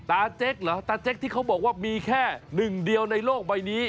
เจ๊กเหรอตาเจ๊กที่เขาบอกว่ามีแค่หนึ่งเดียวในโลกใบนี้